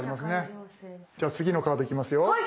じゃあ次のカードいきますよ。